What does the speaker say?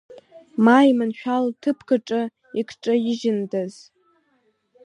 Ма иманшәало ҭыԥкаҿы икҽаижьындаз!